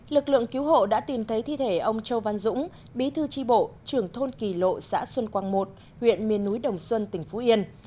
lực lượng cứu hộ đã tìm thấy thi thể ông châu văn dũng bí thư tri bộ trưởng thôn kỳ lộ xã xuân quang một huyện miền núi đồng xuân tỉnh phú yên